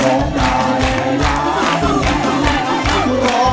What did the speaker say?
ร้องได้ให้ร้าน